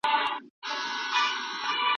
ایا د دوی مزاجونه سره برابر دي؟